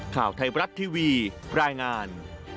ข่าวไทยบรัฐทีวีรายงาน